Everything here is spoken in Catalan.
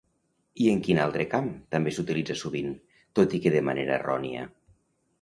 I en quin altre camp també s'utilitza sovint, tot i que de manera errònia?